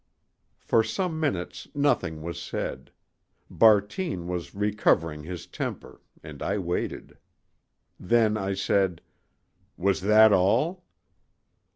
For some minutes nothing was said: Bartine was recovering his temper, and I waited. Then I said: "Was that all?"